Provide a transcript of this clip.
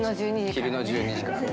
昼の１２時からね。